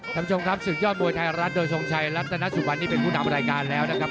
ท่านผู้ชมครับศึกยอดมวยไทยรัฐโดยทรงชัยรัตนสุวรรณนี่เป็นผู้นำรายการแล้วนะครับ